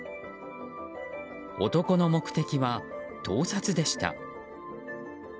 男の目的は盗撮でした。